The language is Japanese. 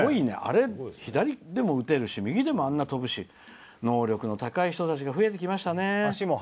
左でも打てるし右でもあんな飛ぶし能力の高い人たちが増えてきましたね。